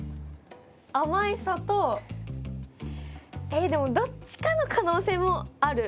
えっでもどっちかの可能性もある。